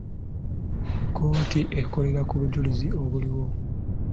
Kkooti ekolera ku bujulizi obuliwo.